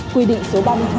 quy định số ba mươi hai